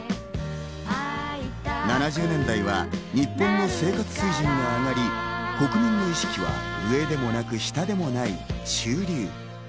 ７０年代は日本の生活水準が上がり、国民の意識は上でもなく下でもない中流。